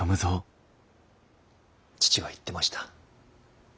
父は言ってました。